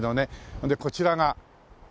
ほんでこちらがね